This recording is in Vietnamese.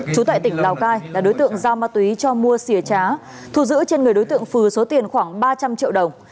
trú tại tỉnh lào cai là đối tượng giao ma túy cho mua xỉ trá thu giữ trên người đối tượng phừ số tiền khoảng ba trăm linh triệu đồng